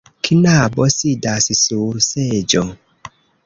Knabo sidas sur seĝo.